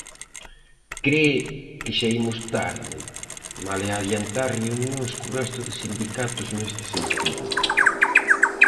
Cre que "xa imos tarde" malia adiantar reunións co resto de sindicatos neste sentido.